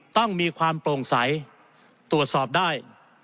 ต้องมีความโปร่งใสตรวจสอบได้